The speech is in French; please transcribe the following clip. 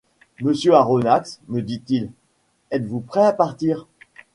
Monsieur Aronnax, me dit-il, êtes-vous prêt à partir ?